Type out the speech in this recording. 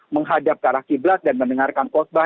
menghadap ke arah qiblat dan mendengarkan khusbah